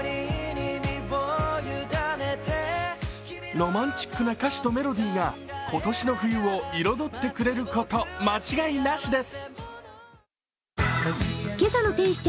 ロマンチックな歌詞とメロディーが今年の冬を彩ってくれること間違いなしです。